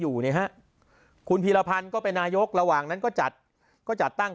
อยู่เนี่ยฮะคุณพีรพันธ์ก็เป็นนายกระหว่างนั้นก็จัดก็จัดตั้ง